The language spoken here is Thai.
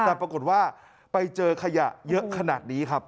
แต่ปรากฏว่าไปเจอขยะเยอะขนาดนี้ครับ